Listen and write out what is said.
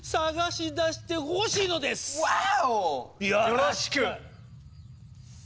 よろしく！